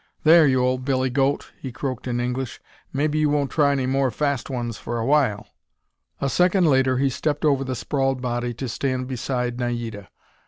"There, you old billygoat," he croaked in English, "maybe you won't try any more fast ones for awhile." A second later he stepped over the sprawled body to stand beside Naida.